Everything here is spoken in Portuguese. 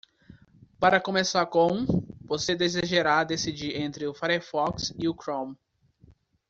Para começar com?, você desejará decidir entre o Firefox e o Chrome.